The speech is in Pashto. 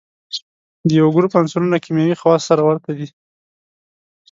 د یوه ګروپ عنصرونه کیمیاوي خواص سره ورته دي.